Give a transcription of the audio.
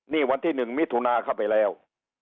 นี่วันที่๑มิถุนาเข้าไปแล้ว